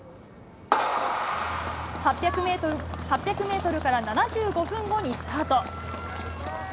８００メートルから７５分後にスタート。